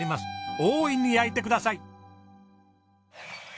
大いに焼いてください。